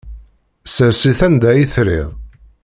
Ssers-it anda ay trid.